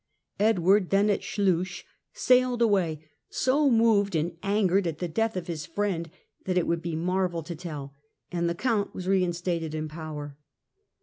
Edward, then at Sluys, sailed away " so moved and angered at the death of his friend that it would be marvel to tell," and the Count was reinstated in power.